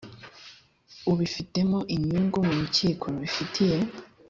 ubifitemo inyungu mu rukiko rubifitiye